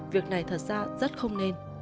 việc này thật ra rất không nên